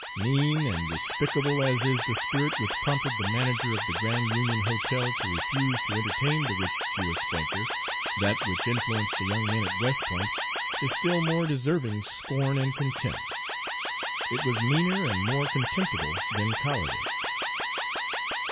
Mean and despicable as is the spirit which prompted the manager of the Grand Union Hotel to refuse to entertain the rich Jewish banker, that which influenced the young men at West Point is still more deserving scorn and contempt. It was meaner and more contemptible than cowardice."